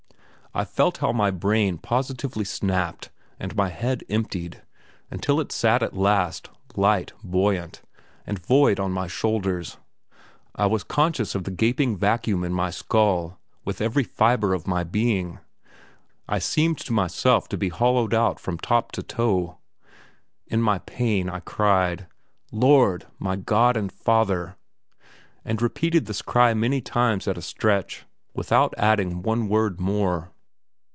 I felt how my brain positively snapped and my head emptied, until it sat at last, light, buoyant, and void on my shoulders. I was conscious of the gaping vacuum in my skull with every fibre of my being. I seemed to myself to be hollowed out from top and toe. In my pain I cried: "Lord, my God and Father!" and repeated this cry many times at a stretch, without adding one word more.